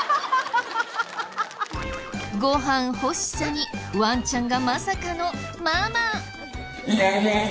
ご飯欲しさにワンちゃんがまさかの「ママ」。